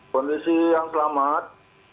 kondisi yang selamat